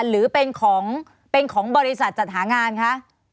หรือเป็นของบริษัทจัดหางานคะ